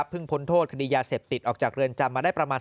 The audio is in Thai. พ้นโทษคดียาเสพติดออกจากเรือนจำมาได้ประมาณ